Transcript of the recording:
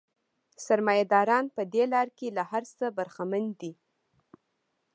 سرمایه داران په دې لار کې له هر څه برخمن دي